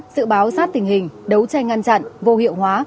dự báo sát tình hình đấu tranh ngăn chặn vô hiệu hóa